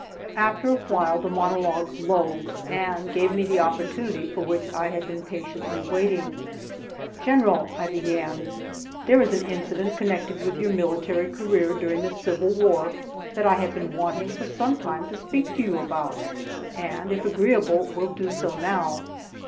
After a while the monologue lulled, and gave me the opportunity for which I had been patiently waiting. "General," I began, "there is an incident connected with your military career during the Civil War that I have wanted for some time to speak to you about, and, if agreeable, will do so now."